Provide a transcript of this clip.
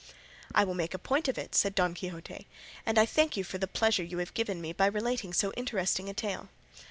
"I will make a point of it," said Don Quixote, "and I thank you for the pleasure you have given me by relating so interesting a tale."